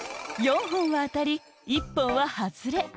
４本はあたり１本ははずれ。